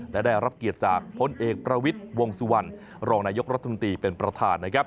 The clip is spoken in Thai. และได้รับเกียรติจากพลเอกประวิทวงศ์สุวรรณรองนายกรัฐธรรมดีเป็นประธาน